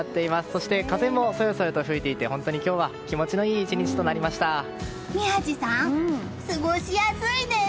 そして風もそよそよと吹いていて本当に今日は気持ちのいい宮司さん、過ごしやすいです！